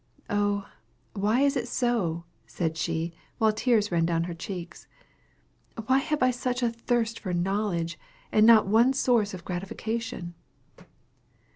"Oh, why is it so?" said she, while tears ran down her cheeks. "Why have I such a thirst for knowledge, and not one source of gratification?"